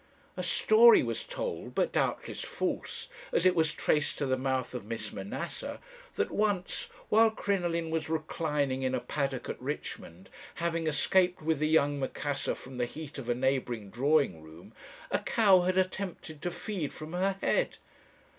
A story was told, but doubtless false, as it was traced to the mouth of Miss Manasseh, that once while Crinoline was reclining in a paddock at Richmond, having escaped with the young Macassar from the heat of a neighbouring drawing room, a cow had attempted to feed from her head."